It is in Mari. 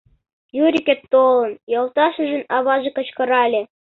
Юрикет толын, — йолташыжын аваже кычкырале.